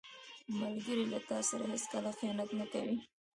ملګری له تا سره هیڅکله خیانت نه کوي